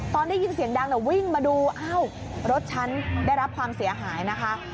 ตอนได้ยินเสียงดังวิ่งมาดูอ้าวรถฉันได้รับความเสียหายนะคะ